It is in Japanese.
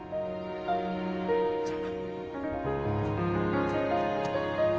じゃあ。